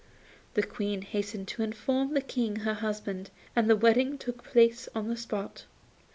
The Queen hastened to inform the King her husband, and the wedding took place on the spot.